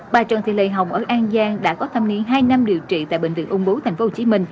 bà trần thị lệ hồng ở an giang đã có thâm niên hai năm điều trị tại bệnh viện ung bú tp hcm